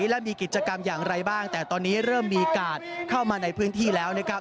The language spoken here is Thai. และมีกิจกรรมอย่างไรบ้างแต่ตอนนี้เริ่มมีกาดเข้ามาในพื้นที่แล้วนะครับ